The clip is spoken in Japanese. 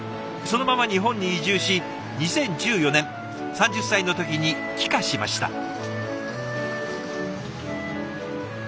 そのまま日本に移住し２０１４年３０歳の時に帰化しました。